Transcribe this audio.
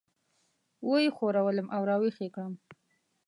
وه یې ښورولم او راويښ یې کړم.